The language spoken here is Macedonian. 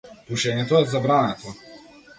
Пушењето е забрането.